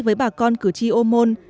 với bà con cử tri ô môn